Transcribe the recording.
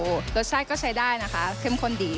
รสชาติก็ใช้ได้นะคะเข้มข้นดี